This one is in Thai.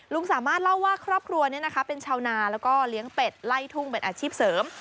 ลุงสามารถเล่าว่าครอบครัวเป็นชาวนาแล้วก็เลี้ยงเป็ดไล่ทุ่งเป็นอาชีพเสริม